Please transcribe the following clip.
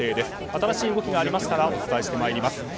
新しい動きがありましたらお伝えします。